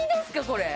これ。